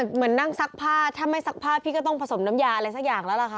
เหมือนนั่งซักผ้าถ้าไม่ซักผ้าพี่ก็ต้องผสมน้ำยาอะไรสักอย่างแล้วล่ะค่ะ